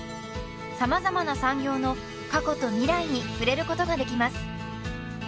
様々な産業の過去と未来に触れることができます